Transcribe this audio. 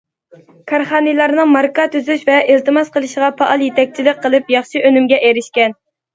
كارخانىلارنىڭ ماركا تۈزۈش ۋە ئىلتىماس قىلىشىغا پائال يېتەكچىلىك قىلىپ، ياخشى ئۈنۈمگە ئېرىشكەن.